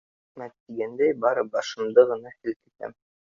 Рәхмәт тигәндәй бары башымды ғына һелктем.